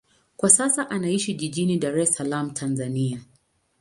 Kwa sasa anaishi jijini Dar es Salaam, Tanzania.